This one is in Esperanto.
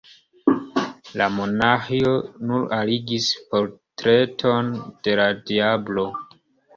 La monaĥo nur aligis portreton de la diablo.